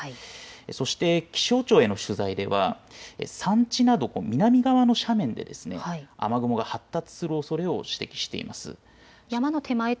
そして気象庁への取材では山地など南側の斜面で雨雲が発達するおそれを指摘しています。